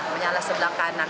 menyala sebelah kanan